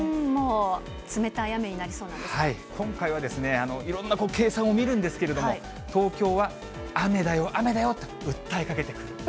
もう冷たい雨になりそうなん今回はいろんな計算を見るんですけれども、東京は雨だよ、雨だよって訴えかけてくる。